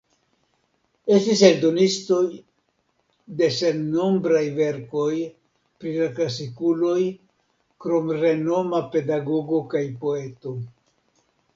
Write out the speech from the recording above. Estis eldonistoj de sennombraj verkoj pri la klasikuloj krom renoma pedagogo kaj poeto.